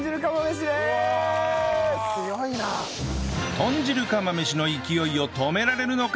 豚汁釜飯の勢いを止められるのか？